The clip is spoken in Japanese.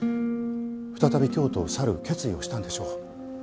再び京都を去る決意をしたんでしょう。